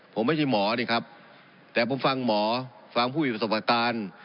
ผมไม่ใช่หมอแต่ผมฟังหมอฟังผู้ผู้ผู้หอยประสบการณ์